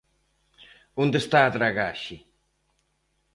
¿Onde está a dragaxe?